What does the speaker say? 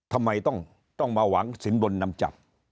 ทำไมต้องมาหวังสินบนนำจับ